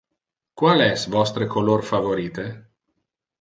Qual es vostre color favorite?